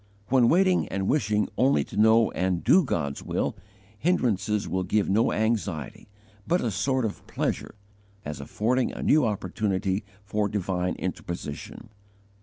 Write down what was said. When waiting and wishing only to know and do God's will, hindrances will give no anxiety, but a sort of pleasure, as affording a new opportunity for divine interposition.